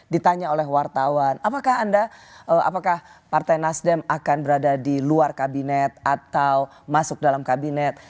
ditanya oleh wartawan apakah anda apakah partai nasdem akan berada di luar kabinet atau masuk dalam kabinet